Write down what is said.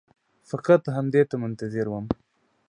فقط همدې ته منتظر وم.